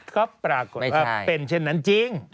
ก็ปรากฏว่าเป็นเช่นนั้นจริง